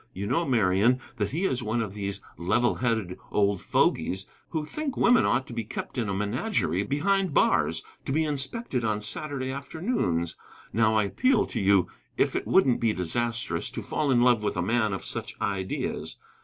You know, Marian, that he is one of these level headed old fogies who think women ought to be kept in a menagerie, behind bars, to be inspected on Saturday afternoons. Now, I appeal to you if it wouldn't be disastrous to fall in love with a man of such ideas.